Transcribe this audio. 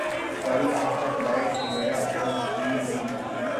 گاڑی اہستہ چلائیں شنیرا اکرم کی نئی مہم